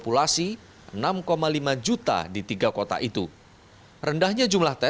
kurva epidemi ini menunjukkan kualitas kurva yang tak cukup baik apalagi ditambah lamanya jeda pengambilan sampel dan pengumuman hasil tes